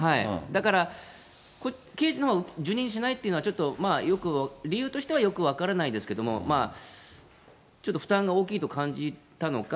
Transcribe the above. だから、刑事のほうは受任しないというのは、ちょっとよく、理由としてはよく分からないですけど、ちょっと負担が大きいと感じたのか。